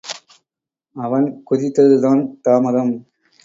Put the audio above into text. அவன் குதித்ததுதான் தாமதம்.